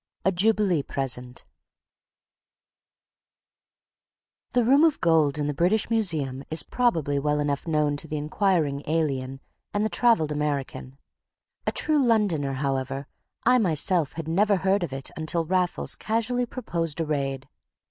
A JUBILEE PRESENT The Room of Gold, in the British Museum, is probably well enough known to the inquiring alien and the travelled American. A true Londoner, however, I myself had never heard of it until Raffles casually proposed a raid.